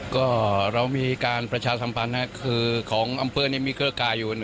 ก็เรามีการประชาสัมพันธ์ค่ะคือของอำเปิ้ลไหนมีเครือคายอยู่